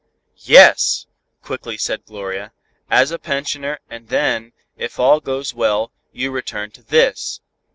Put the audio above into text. "Yes!" quickly said Gloria, "as a pensioner, and then, if all goes well, you return to this."